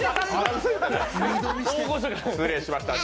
失礼しました。